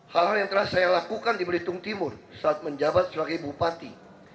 hal hal yang telah saya lakukan di belitung timur saat menjabat sebagai bupati